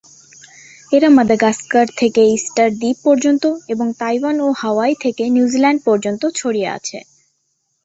এরা মাদাগাস্কার থেকে ইস্টার দ্বীপ পর্যন্ত এবং তাইওয়ান ও হাওয়াই থেকে নিউজিল্যান্ড পর্যন্ত ছড়িয়ে আছে।